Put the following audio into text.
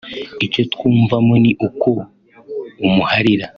Icyo twumvamo ni uko muharira